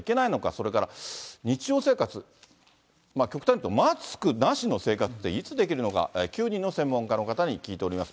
それから日常生活、極端にいうと、マスクなしの生活っていつできるのか、９人の専門家の方に聞いております。